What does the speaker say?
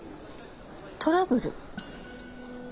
トラブル？